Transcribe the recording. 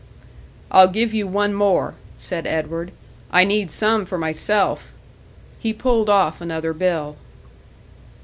"I'll give you one more," said Edward. "I need some for myself." He pulled off another bill.